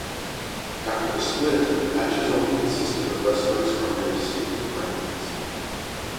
After the split, matches only consisted of wrestlers from their distinctive brands.